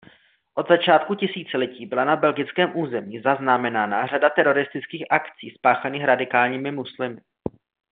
Od začátku tisíciletí byla na belgickém území zaznamenána řada teroristických akcí spáchaných radikálními muslimy.